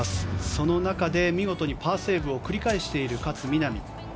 その中で、見事にパーセーブを繰り返している勝みなみ。